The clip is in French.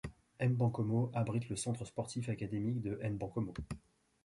Mbankomo abrite le Centre sportif académique de Mbankomo.